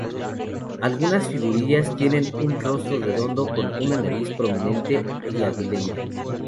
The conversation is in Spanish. Algunas figurillas tienen un rostro redondo con una nariz prominente y aguileña.